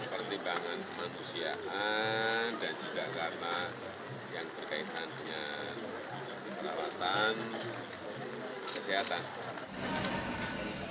pertimbangan kemanusiaan dan juga karena yang berkaitan dengan perawatan kesehatan